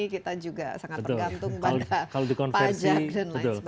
kita juga sangat bergantung pada pajak dan lain sebagainya